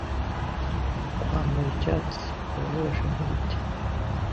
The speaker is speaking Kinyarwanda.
Kwambara icyatsi! Birababaje nk'ibiti!